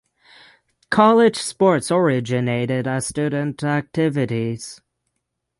College sports originated as student activities.